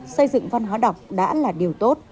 xây dựng văn hóa đọc đã là điều tốt